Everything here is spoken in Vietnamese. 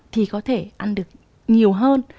thì có thể ăn được nhiều hơn